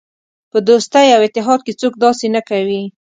په دوستۍ او اتحاد کې څوک داسې نه کوي.